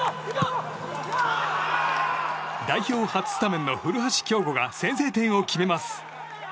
代表初スタメンの古橋亨梧が先制点を決めます。